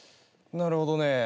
なるほどね。